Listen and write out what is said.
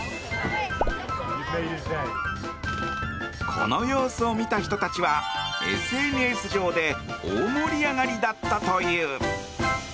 この様子を見た人たちはＳＮＳ上で大盛り上がりだったという。